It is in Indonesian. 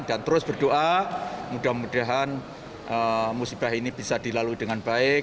dan terus berdoa mudah mudahan musibah ini bisa dilalui dengan baik